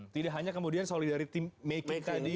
tidak hanya kemudian solidaritim making tadi itu